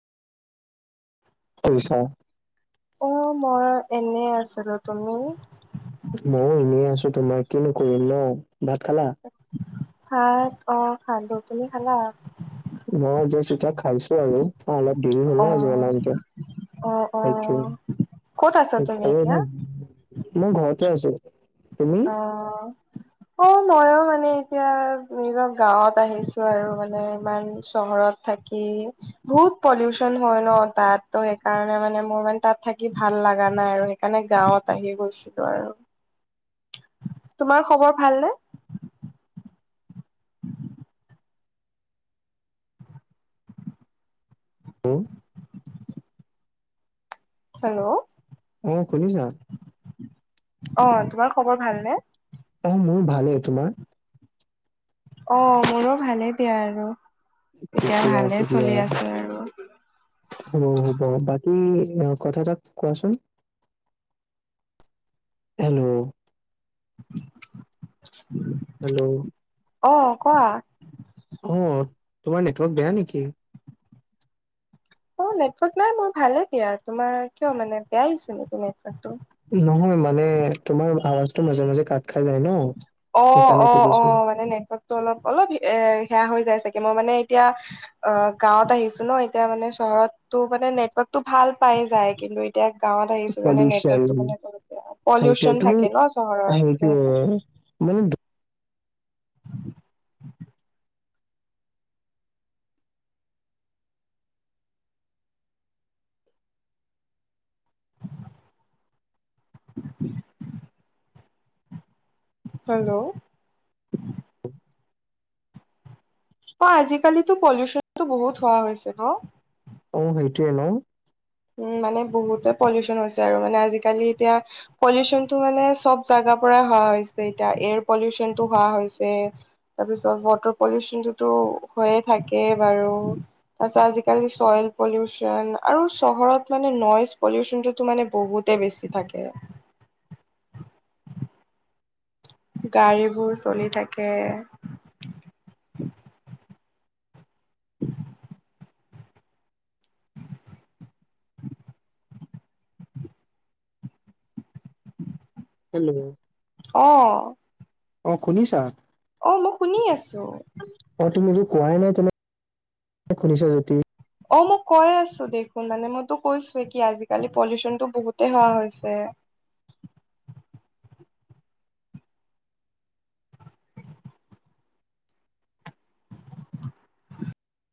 কৰিছা। অহ, মই এনেই আছিলোঁ। তুমি? মইয়ো এনেই আছো তোমাৰ, কিনো কৰিম ন'। ভাত খালা? ভাত অহ, খালোঁ। তুমি খালা? মই জাষ্ট এতিয়া খা খাইছো আৰু অলপ দেৰি হ'ল আজি অ', বনাওঁতে, অ', সেইটোৱে। অ', ক'ত আছা তুমি খবৰ এতিয়া? ভাল? মই ঘৰতে আছো। তুমি? অ'। অ', ময়ো মানে এতিয়া, নিজৰ গাঁৱত আহিছো আৰু মানে ইমান চহৰত থাক কি? বহুত পলিউচন হয় ন তাত, ত 'সেইকাৰণে মানে মোৰ মানে তাত থাকি ভাল লগা নাই, আৰু সেইকাৰণে গাৱঁত আহি গৈছিলো আৰু। তোমাৰ খবৰ ভাল নে? হম। হেল্ল'? অ', শুনিছা? অ', তোমাৰ খবৰ ভালনে? অ', মোৰ ভালেই, তোমাৰ? অ', মোৰো ভালে দিয়া আৰু এতিয়া ঠিকে ভালে চলি আছো আৰু। অ', হ'ব বাকী কথা এটা কোৱাচোন? হেল্ল'? [unintelligible] হেল্ল'? অ', কোৱা। অ', তোমাৰ নেটৱৰ্ক বেয়া নেকি? অ', নেটৱৰ্ক নাই, মোৰ ভালে দিয়া, তোমাৰ কিয় মানে বেয়া আহিছে নেকি নেটৱৰ্কটো? নহয়, মানে তোমাৰ আৱাজটো মাজে, মাজে কাট খাই যায় ন'। অ', সেইকাৰণে অ', সুধিছো। অ' মানে নেটৱৰ্কটো অলপ, অলপ এ, সেয়া হৈ যায় চাগে, মই মানে এতিয়া অ', গাঁৱত আহিছো ন', এতিয়া মানে চহৰতটো মানে নেটৱৰ্কটো ভাল পাই যায়, কিন্তু এতিয়া গাঁৱত আহিছো কাৰণে পলিউচন। নেটৱৰ্টো মানে বহুত বেয়া, সেইটোৱে। পলিউচন তুমি থাকে ন' চহৰত সেইটোৱে সেইকাৰণে। [unintelligible] [unintelligible] হেল্ল'? অ' আজিকালিটো পলিউচনটো বহুত হোৱা হৈছে ন'? অ' সেইটোৱে ন'। উম' মানে বহুতে পলিউচন হৈছে আৰু মানে আজিকালি এতিয়া পলিউচনটো মানে চব জাগাৰ পৰাই হোৱা হৈছে এতিয়া, এয়াৰ পলিউচনটো হোৱা হৈছে। তাৰ পিছত ৱাটাৰ পলিউশনটোতো হৈয়ে থাকে বাৰু। তাৰপিছত আজিকালি চইল পলিউচন আৰু চহৰত মানে নইজ পলিউচন টোতো মানে বহুতে বেছি থাকে। গাড়ীবোৰ চলি থাকে। [inaudible] [unintelligible] অ'। অ' শুনিছা? অ' মই শুনি আছোঁ। অ' তুমিটো কোৱাই নাই, তুমি শুনিছা যদি। অ' মই কৈ আছো দেখোন মানে মইতো কৈছোৱে কি, আজিকালি পলিউচনটো বহুতেই হোৱা হৈছে।